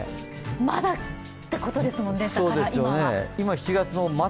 まだってことですもんね、今は。